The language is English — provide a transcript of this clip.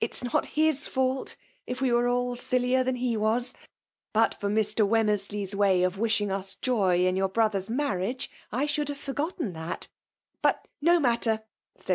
is not his faulty if we were all sillier than he was ! But for Mr. Wemmersley's way of wish ing us joy on your brother's marriagei I should have forgotten that.